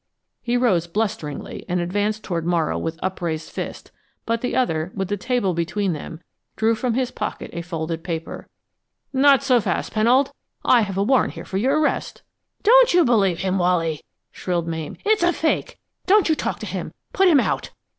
He rose blusteringly and advanced toward Morrow with upraised fist, but the other, with the table between them, drew from his pocket a folded paper. "Not so fast, Pennold. I have a warrant here for your arrest!" "Don't you believe him, Wally!" shrilled Mame. "It's a fake! Don't you talk to him! Put him out."